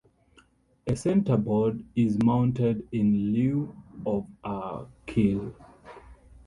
A centerboard is mounted in lieu of a keel.